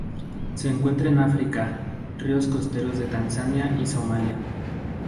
Se encuentran en África: ríos costeros de Tanzania y Somalia.